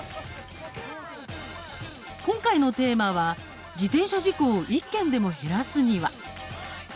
今回のテーマは自転車事故を１件でも減らすには。